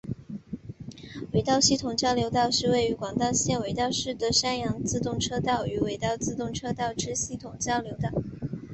尾道系统交流道是位于广岛县尾道市的山阳自动车道与尾道自动车道之系统交流道。